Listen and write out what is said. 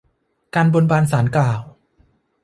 การบนบานศาลกล่าว